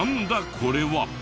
これは。